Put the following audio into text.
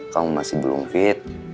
kamu masih belum fit